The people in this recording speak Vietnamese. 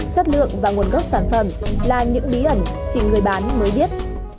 chất lượng và nguồn gốc sản phẩm là những bí ẩn chỉ người bán mới biết